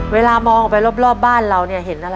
เวลามองไปรอบรอบบ้านเรานี่เห็นอะไรบ้าง